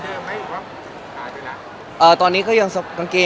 แล้วถ่ายละครมันก็๘๙เดือนอะไรอย่างนี้